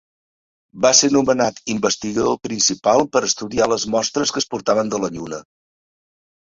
Va ser nomenat investigador principal per estudiar les mostres que es portaven de la Lluna.